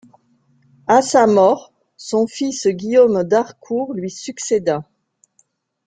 À sa mort, son fils Guillaume d'Harcourt lui succéda.